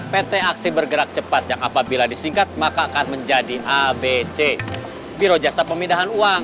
pt aksi bergerak cepat yang apabila disingkat maka akan menjadi abc biro jasa pemindahan uang